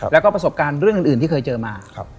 แล้วก็ประสบการณ์เรื่องอื่นที่เคยเจอมา